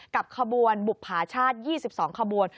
กับคบวลบุผ่าชาติทาง๒๒คบวล